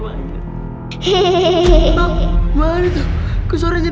suaranya aku saja